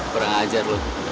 berang ajar lo